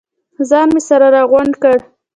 ځان مې سره راغونډ کړ.